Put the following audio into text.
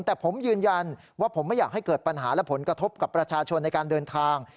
แต่ผมยืนยันว่าผมไม่อยากให้เกิดปัญหาและผลกระทบกับประชาชนในการเดินทาง